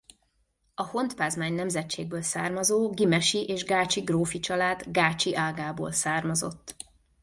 A Hontpázmány nemzetségből származó Ghymesi és gácsi grófi család gácsi ágából származott.